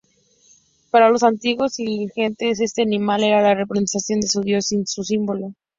Para los antiguos ilergetes este animal era la representación de su dios, su símbolo.